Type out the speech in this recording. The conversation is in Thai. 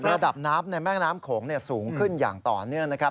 ระดับน้ำในแม่น้ำโขงสูงขึ้นอย่างต่อเนื่องนะครับ